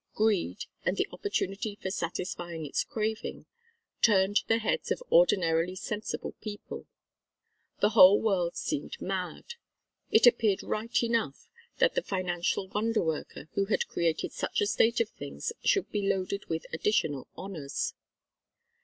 Greed, and the opportunity for satisfying its craving, turned the heads of ordinarily sensible people. The whole world seemed mad. It appeared right enough that the financial wonder worker who had created such a state of things should be loaded with additional honours.